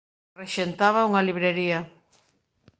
Rexentaba unha librería.